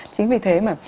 chính vì thế mà